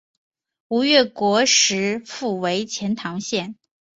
吴越国时复为钱唐县。